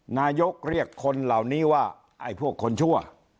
นายกเรียกคนเหล่านี้ว่าไอ้พวกคนชั่ว